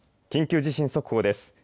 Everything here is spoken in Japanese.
緊急地震速報です。